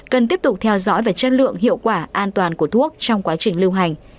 cần tiếp tục theo dõi về chất lượng hiệu quả an toàn của thuốc trong quá trình lưu hành